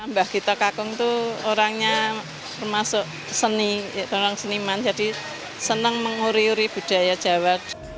mbah gito kakung itu orangnya termasuk seni orang seniman jadi senang menguri uri budaya jawa